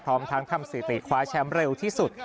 พร้อมทั้งทำสถิติคว้าแชมป์เร็วที่สุด